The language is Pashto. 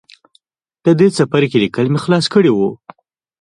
د دې څپرکي ليکل مې خلاص کړي وو